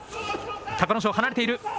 隆の勝、離れている。